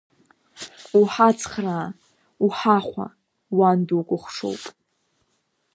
Уҳацхраа, уҳахәа, уан дукәыхшоуп!